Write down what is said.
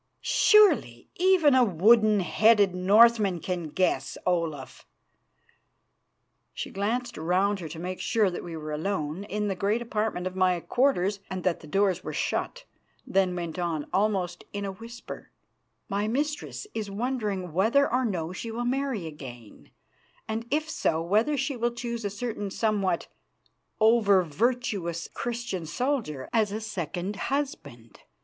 "Surely even a wooden headed Northman can guess, Olaf?" She glanced round her to make sure that we were alone in the great apartment of my quarters and that the doors were shut, then went on, almost in a whisper, "My mistress is wondering whether or no she will marry again, and, if so, whether she will choose a certain somewhat over virtuous Christian soldier as a second husband.